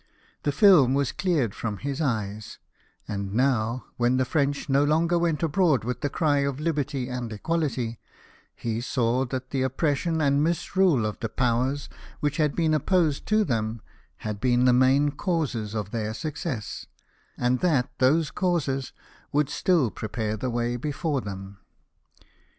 The film was cleared from his eyes ; and now, Avhen the French no longer went abroad with the cry of Liberty and Equahty, he saw that the oppression and misrule of the Powers which had been opposed to them, had been the main causes of their success, and that those causes would still prepare the way before them.